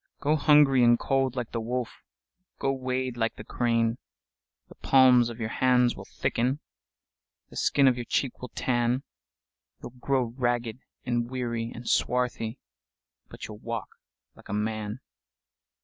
Go hungry and cold like the wolf, Go wade like the crane:The palms of your hands will thicken, The skin of your cheek will tan, You 'll grow ragged and weary and swarthy, But you 'll walk like a man!